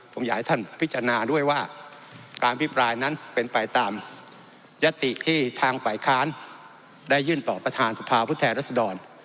ผมอยากให้ท่านพิจารณาด้วยว่าการพิปรายนั้นเป็นไปตามยติที่ทางฝ่ายค้านได้ยื่นต่อประธานสภาพุทธแทนรัศดร